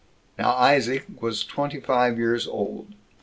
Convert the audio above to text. Now Isaac was twenty five years old.